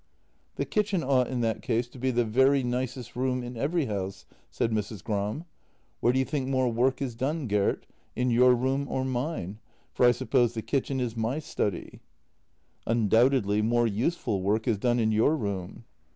" The kitchen ought in that case to be the very nicest room in every house," said Mrs. Gram. " Where do you think more work is done, Gert — in your room or mine ?— for I suppose the kitchen is my study." " Undoubtedly more useful work is done in your room."